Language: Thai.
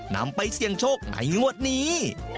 นำไปเสี่ยงโชคในงวดนี้